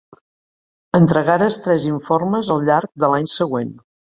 Entregares tres informes al llarg de l'any següent.